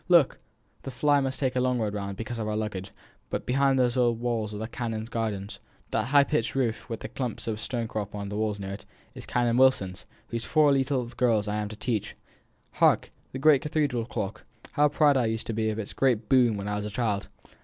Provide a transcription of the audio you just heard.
"Look! the fly must take us a long round, because of our luggage; but behind these high old walls are the canons' gardens. That high pitched roof, with the clumps of stonecrop on the walls near it, is Canon Wilson's, whose four little girls I am to teach. Hark! the great cathedral clock. How proud I used to be of its great boom when I was a child!